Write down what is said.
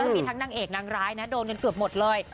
มีทั้งนางเอกนางร้ายนะโดนกันเกือบหมดเลย